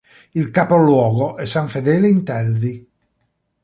Il capoluogo è San Fedele Intelvi.